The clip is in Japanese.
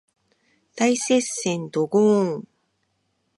大接戦ドゴーーン